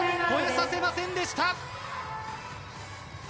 越えさせませんでした。